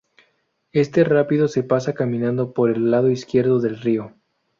Este rápido se pasa caminando por el lado izquierdo del río.